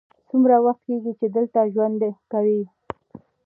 څومره وخت کیږی چې دلته ژوند کوې؟